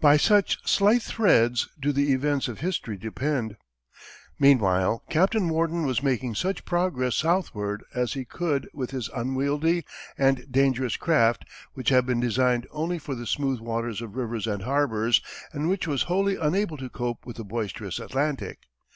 By such slight threads do the events of history depend. Meanwhile, Captain Worden was making such progress southward as he could with his unwieldy and dangerous craft, which had been designed only for the smooth waters of rivers and harbors and which was wholly unable to cope with the boisterous Atlantic.